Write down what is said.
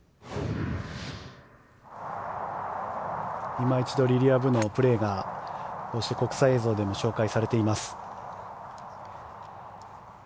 いま一度リリア・ブのプレーがこうして国際映像でも紹介されています。